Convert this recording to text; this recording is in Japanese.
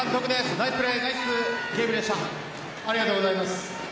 ナイスプレーありがとうございます。